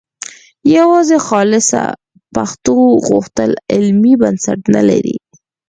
یوازې خالصه پښتو غوښتل علمي بنسټ نه لري